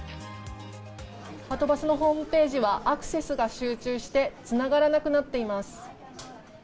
はとバスのホームページはアクセスが集中して、つながらなくなっています。